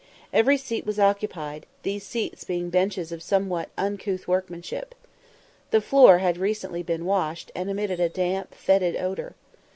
Every seat was occupied, these seats being benches of somewhat uncouth workmanship. The floor had recently been washed, and emitted a damp fetid odour.